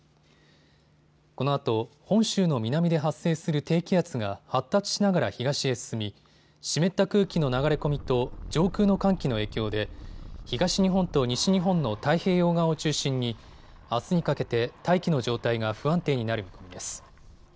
このあと本州の南で発生する低気圧が発達しながら東へ進み湿った空気の流れ込みと上空の寒気の影響で東日本と西日本の太平洋側を中心にあすにかけて大気の状態が不安定になる見込みです。